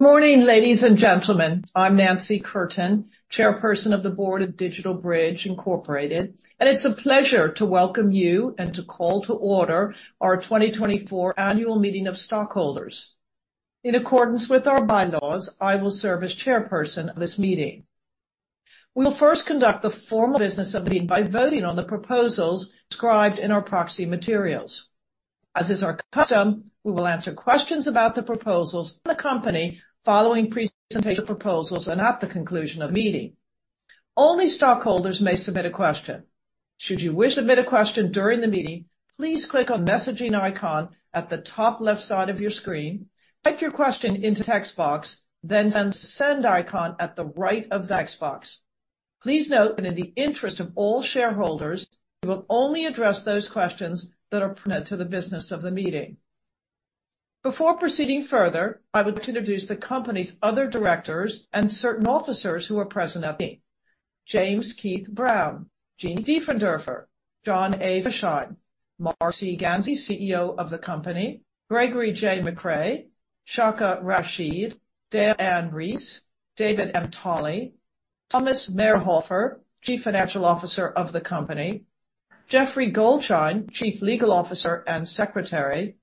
Good morning, ladies and gentlemen. I'm Nancy Curtin, Chairperson of the Board of DigitalBridge Group, Inc, and it's a pleasure to welcome you and to call to order our 2024 annual meeting of stockholders. In accordance with our bylaws, I will serve as Chairperson of this meeting. We will first conduct the formal business of the meeting by voting on the proposals described in our proxy materials. As is our custom, we will answer questions about the proposals and the company following presentation of proposals and at the conclusion of the meeting. Only stockholders may submit a question. Should you wish to submit a question during the meeting, please click on the messaging icon at the top left side of your screen, type your question into the text box, then on the send icon at the right of the text box. Please note that in the interest of all shareholders, we will only address those questions that are pertinent to the business of the meeting. Before proceeding further, I would like to introduce the company's other directors and certain officers who are present at the meeting: James Keith Brown, Jeannie Diefenderfer, Jon A. Fosheim, Marc C. Ganzi, CEO of the company, Gregory J. McCray, Shaka Rasheed, Dale Anne Reiss, David M. Tolley, Thomas Mayrhofer, Chief Financial Officer of the company, Geoffrey Goldschein, Chief Legal Officer and Secretary,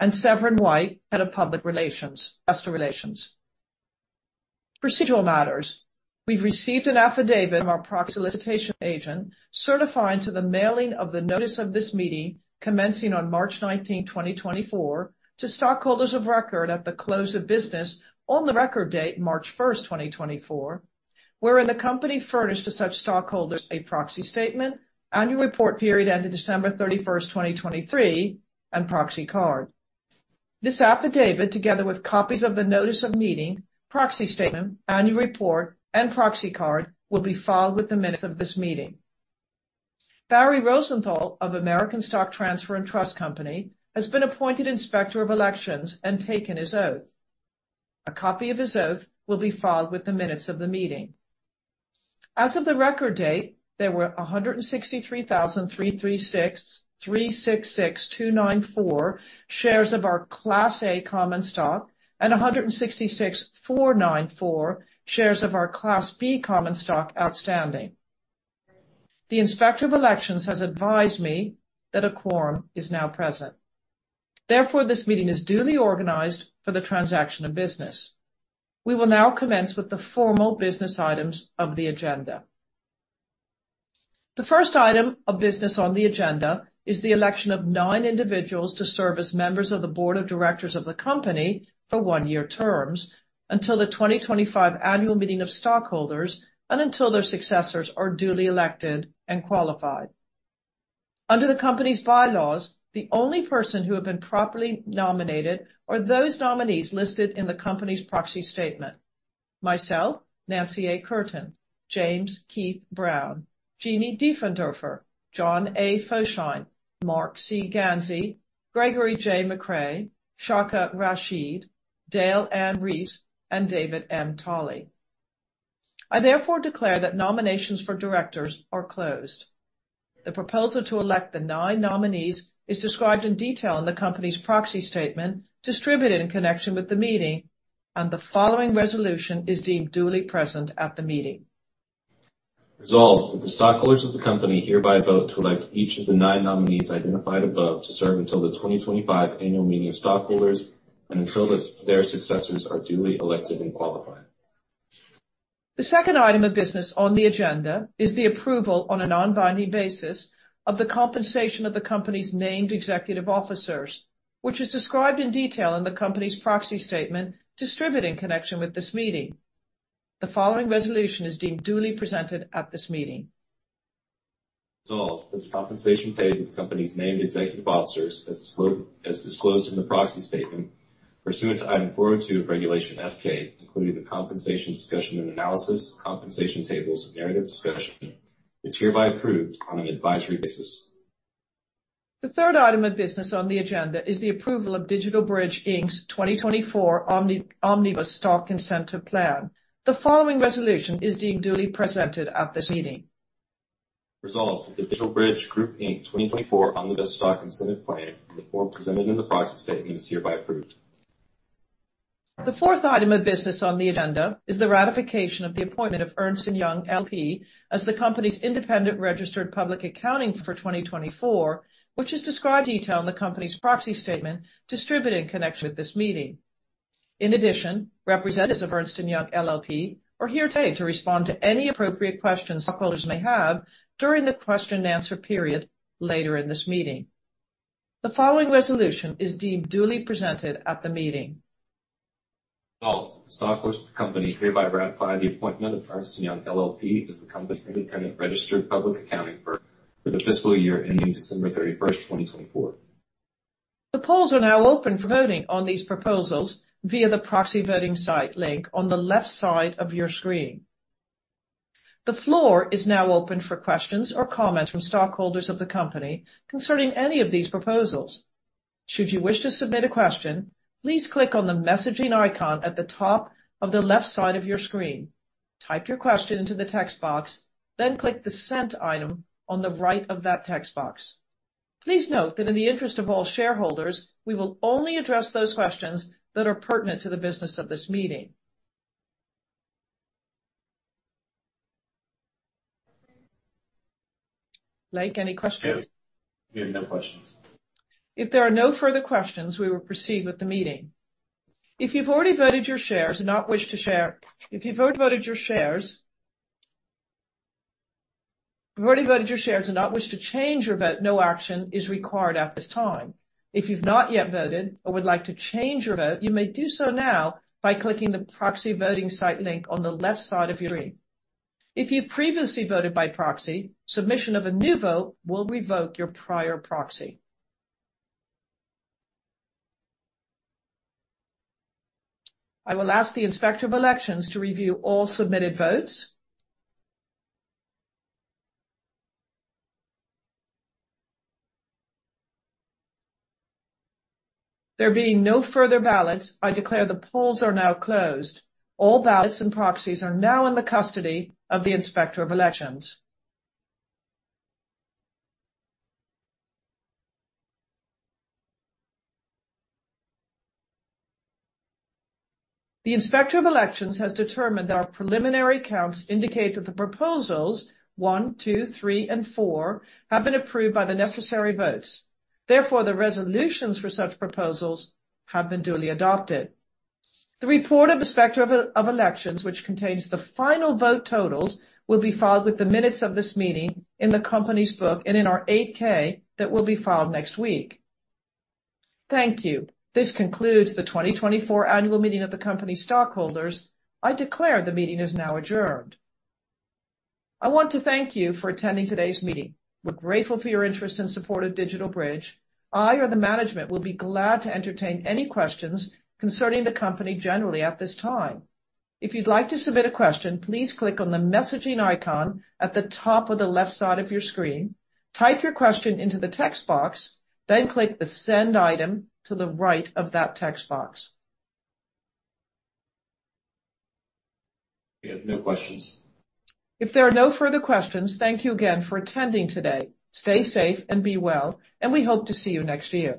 and Severin White, Head of Public Relations. Procedural matters: we've received an affidavit from our proxy solicitation agent certifying to the mailing of the notice of this meeting commencing on March 19, 2024, to stockholders of record at the close of business on the record date March 1, 2024, wherein the company furnished to such stockholders a proxy statement, annual report period ended December 31, 2023, and proxy card. This affidavit, together with copies of the notice of meeting, proxy statement, annual report, and proxy card, will be filed with the minutes of this meeting. Barry Rosenthal of American Stock Transfer & Trust Company has been appointed Inspector of Elections and taken his oath. A copy of his oath will be filed with the minutes of the meeting. As of the record date, there were 163,336 shares of our Class A common stock and 166,494 shares of our Class B common stock outstanding. The Inspector of Elections has advised me that a quorum is now present. Therefore, this meeting is duly organized for the transaction of business. We will now commence with the formal business items of the agenda. The first item of business on the agenda is the election of nine individuals to serve as members of the Board of Directors of the company for one-year terms until the 2025 annual meeting of stockholders and until their successors are duly elected and qualified. Under the company's bylaws, the only person who have been properly nominated are those nominees listed in the company's proxy statement: myself, Nancy A. Curtin, James Keith Brown, Jeannie H. Diefenderfer, Jon A. Fosheim, Marc C. Ganzi, Gregory J. McCray, Shaka Rasheed, Dale Anne Reiss, and David M. Tolley. I therefore declare that nominations for directors are closed. The proposal to elect the nine nominees is described in detail in the company's Proxy Statement distributed in connection with the meeting, and the following resolution is deemed duly present at the meeting. Resolved that the stockholders of the company hereby vote to elect each of the nine nominees identified above to serve until the 2025 annual meeting of stockholders and until their successors are duly elected and qualified. The second item of business on the agenda is the approval, on a non-binding basis, of the compensation of the company's named executive officers, which is described in detail in the company's proxy statement distributed in connection with this meeting. The following resolution is deemed duly presented at this meeting. Resolved that the compensation paid to the company's named executive officers, as disclosed in the proxy statement, pursuant to Item 402 of Regulation S-K, including the compensation discussion and analysis, compensation tables, and narrative discussion, is hereby approved on an advisory basis. The third item of business on the agenda is the approval of DigitalBridge Group, Inc's 2024 Omnibus Stock Incentive Plan. The following resolution is deemed duly presented at this meeting. Resolved that the DigitalBridge Group, Inc 2024 Omnibus Stock Incentive Plan, and the form presented in the proxy statement, is hereby approved. The fourth item of business on the agenda is the ratification of the appointment of Ernst & Young LLP as the company's independent registered public accounting firm for 2024, which is described in detail in the company's proxy statement distributed in connection with this meeting. In addition, representatives of Ernst & Young LLP are here today to respond to any appropriate questions stockholders may have during the question-and-answer period later in this meeting. The following resolution is deemed duly presented at the meeting. Resolved that the stockholders of the company hereby ratify the appointment of Ernst & Young LLP as the company's independent registered public accounting firm for the fiscal year ending December 31, 2024. The polls are now open for voting on these proposals via the proxy voting site link on the left side of your screen. The floor is now open for questions or comments from stockholders of the company concerning any of these proposals. Should you wish to submit a question, please click on the messaging icon at the top of the left side of your screen, type your question into the text box, then click the send item on the right of that text box. Please note that in the interest of all shareholders, we will only address those questions that are pertinent to the business of this meeting. Lake, any questions? We have no questions. If there are no further questions, we will proceed with the meeting. If you've already voted your shares and do not wish to change your vote, no action is required at this time. If you've not yet voted or would like to change your vote, you may do so now by clicking the proxy voting site link on the left side of your screen. If you've previously voted by proxy, submission of a new vote will revoke your prior proxy. I will ask the Inspector of Elections to review all submitted votes. There being no further ballots, I declare the polls are now closed. All ballots and proxies are now in the custody of the Inspector of Elections. The Inspector of Elections has determined that our preliminary counts indicate that the proposals one, two, three, and four have been approved by the necessary votes. Therefore, the resolutions for such proposals have been duly adopted. The report of the Inspector of Elections, which contains the final vote totals, will be filed with the minutes of this meeting in the company's book and in our 8-K that will be filed next week. Thank you. This concludes the 2024 annual meeting of the company's stockholders. I declare the meeting is now adjourned. I want to thank you for attending today's meeting. We're grateful for your interest and support of DigitalBridge. I or the management will be glad to entertain any questions concerning the company generally at this time. If you'd like to submit a question, please click on the messaging icon at the top of the left side of your screen, type your question into the text box, then click the send item to the right of that text box. We have no questions. If there are no further questions, thank you again for attending today. Stay safe and be well, and we hope to see you next year.